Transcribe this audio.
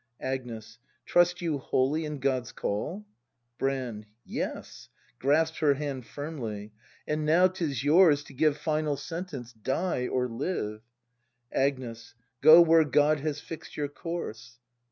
Agnes. Trust you wholly in God's Call .'' Brand. Yes! [Grasps her hand firmly .] And now 'tis yours to give Final sentence: Die or live! Agnes. Go where God has fix'd your course.